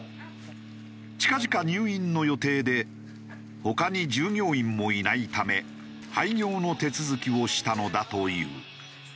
近々入院の予定で他に従業員もいないため廃業の手続きをしたのだという。